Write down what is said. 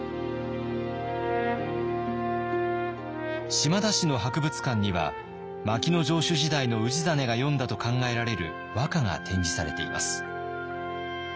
島田市の博物館には牧野城主時代の氏真が詠んだと考えられる和歌が展示されています。